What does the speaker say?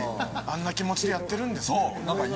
あんな気持ちでやってるんですよ。